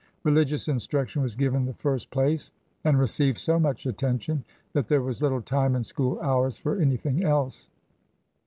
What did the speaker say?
Religious instruction was given the first place and received so much attention that there was little time in school hours for anything else.